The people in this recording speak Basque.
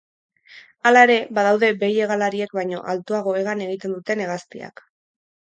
Hala ere, badaude behi hegalariek baino altuago hegan egiten duten hegaztiak.